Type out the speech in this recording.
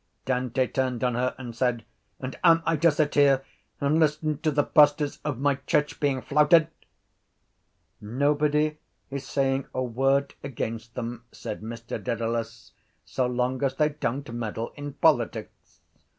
Dante turned on her and said: —And am I to sit here and listen to the pastors of my church being flouted? —Nobody is saying a word against them, said Mr Dedalus, so long as they don’t meddle in politics.